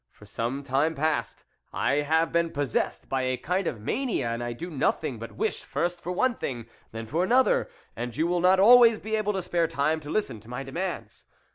For some time past I have been possessed by a kind of mania, and I do nothing but wish first for one thing and then for another, and you will not always be able to spare time to listen to my demands.